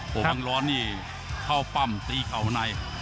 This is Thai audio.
ห้องฺ้าคืยร้อนนี้เข้ากรรมตีเข่าใน